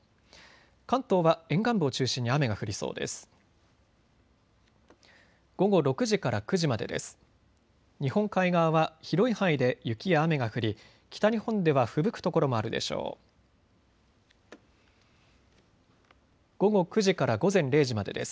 関東は沿岸部を中心に雨が降りそうです。